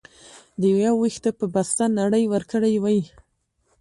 د يو وېښته په بسته نړۍ وکړى وى.